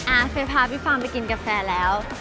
อ่าเฟย์พาพี่ฟังไปกินกาแฟแล้ว